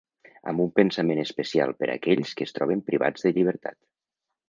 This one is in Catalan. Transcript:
Amb un pensament especial per aquells que es troben privats de llibertat.